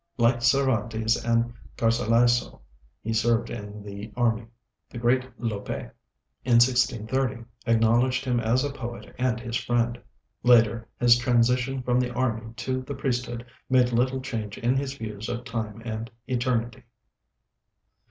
Like Cervantes and Garcilaso, he served in the army. The great Lope, in 1630, acknowledged him as a poet and his friend. Later, his transition from the army to the priesthood made little change in his views of time and eternity.